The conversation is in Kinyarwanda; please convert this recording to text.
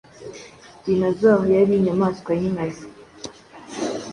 dinosaures yari inyamaswa y'inkazi